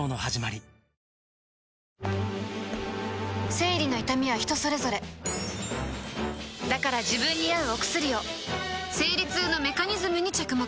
生理の痛みは人それぞれだから自分に合うお薬を生理痛のメカニズムに着目